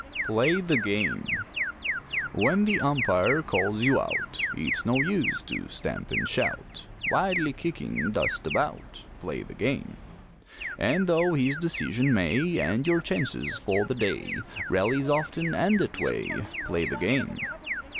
PLAY THE GAME When the umpire calls you out, It's no use to stamp and shout, Wildly kicking dust about Play the game! And though his decision may End your chances for the day, Rallies often end that way Play the game!